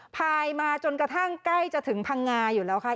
พายมาจนกระทั่งใกล้จะถึงพังงาอยู่แล้วค่ะ